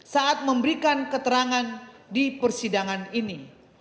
saat memberikan keterangan di persidangan ini